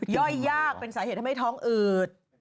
ย่อยยากเป็นสาเหตุทำให้ท้องอืด